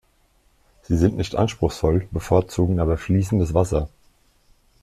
Sie sind nicht anspruchsvoll, bevorzugen aber fließendes Wasser.